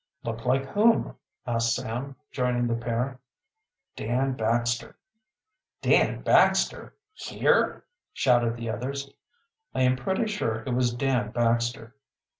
"Look like whom?" asked Sam, joining the pair. "Dan Baxter." "Dan Baxter! Here?" shouted the others. "I am pretty sure it was Dan Baxter."